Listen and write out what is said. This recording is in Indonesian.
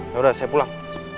yaudah saya pulang